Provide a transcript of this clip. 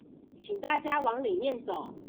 請大家往裡面走